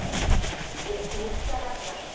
で日課だった腹筋。